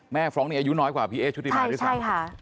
แม่ฟรองก์นี้อายุน้อยกว่าพี่เอ๊ย์ชุดริมาน